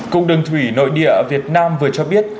cục đường thủy nội địa việt nam vừa cho biết